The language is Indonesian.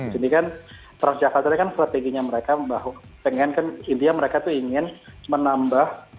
jadi kan transjakarta kan strateginya mereka bahwa ingin kan intinya mereka tuh ingin menambah